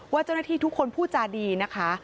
เจ้าหน้าที่ทุกคนพูดจาดีนะคะ